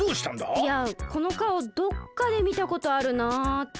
いやこのかおどっかでみたことあるなって。